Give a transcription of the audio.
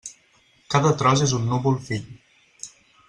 Cada tros és un núvol-fill.